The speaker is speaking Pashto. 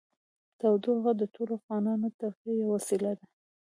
تودوخه د ټولو افغانانو د تفریح یوه وسیله ده.